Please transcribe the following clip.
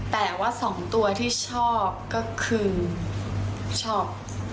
แต่ว่าสองตัวที่ชอบก็คือชอบ